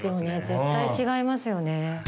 絶対違いますよね。